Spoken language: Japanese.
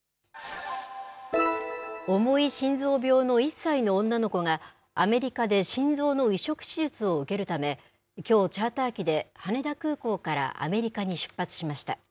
重い心臓病の１歳の女の子がアメリカで心臓の移植手術を受けるためきょうチャーター機で羽田空港からアメリカに出発しました。